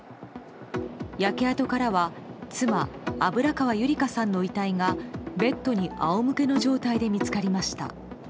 焼け跡からは妻・油川優理香さんの遺体がベッドに仰向けの状態で見つかりました。